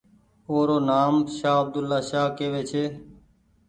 او رو نآم شاه عبدولآشاه ڪيوي ڇي۔